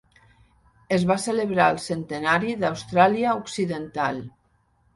Es va celebrar el centenari d'Austràlia occidental.